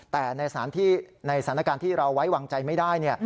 แต่ในสถานการณ์ที่เราไว้วางใจไม่ได้